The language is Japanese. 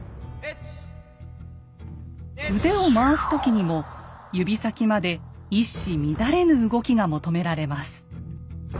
腕を回す時にも指先まで一糸乱れぬ動きが求められます。